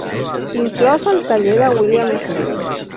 Inclòs el taller de William Smith.